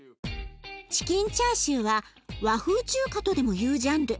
チキンチャーシューは和風中華とでもいうジャンル。